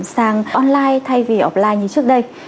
sang online thay vì offline như trước đây